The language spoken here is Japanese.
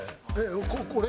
これ？